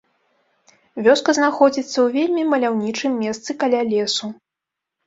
Вёска знаходзіцца ў вельмі маляўнічым месцы каля лесу.